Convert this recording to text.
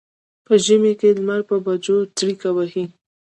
په ژمي کې لمر په بجو څریکه وهي.